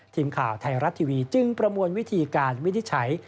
ทีมข่าวไทยรัฐทีวีจึงประมวลวิธีการวินิจฉัย